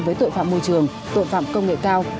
với tội phạm môi trường tội phạm công nghệ cao